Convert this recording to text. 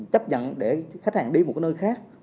chấp nhận để khách hàng đi một nơi khác